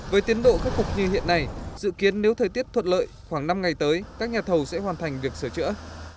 với tiến độ khắc phục như hiện nay dự kiến nếu thời tiết thuận lợi khoảng năm ngày tới các nhà thầu sẽ hoàn thành việc sửa chữa